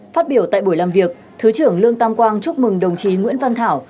phát biểu tại buổi làm việc thứ trưởng lương tam quang chúc mừng đồng chí nguyễn văn thảo